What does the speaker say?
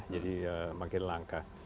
jadi makin langka